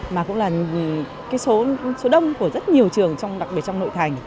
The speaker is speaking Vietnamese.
mà cũng là số đông của rất nhiều trường đặc biệt trong nội thành